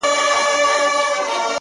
هغه اوس كډ ه وړي كا بل ته ځي ـ